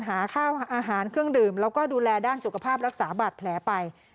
หาข้าวอาหารเครื่องดื่มแล้วก็ดูแลด้านสุขภาพรักษาบาดแผลไป